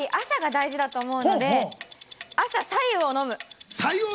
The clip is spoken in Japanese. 朝が大事だと思うので、朝、白湯を飲む。